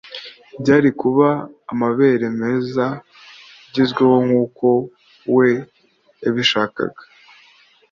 ibyari kuba amabere meza agezweho nkuko we yabishakaga